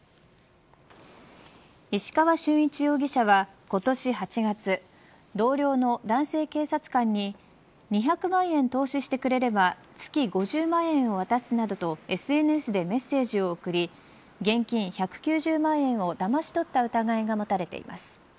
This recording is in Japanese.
石川俊一容疑者は今年８月同僚の男性警察官に２００万円投資してくれれば月５０万円を渡すなどとＳＮＳでメッセージを送り現金１９０万円をだまし取った疑いが持たれています。